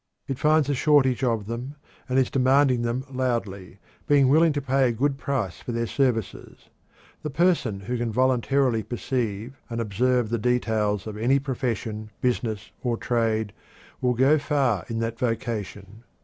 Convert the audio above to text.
It finds a shortage of them, and is demanding them loudly, being willing to pay a good price for their services. The person who can voluntarily perceive and observe the details of any profession, business, or trade will go far in that vocation.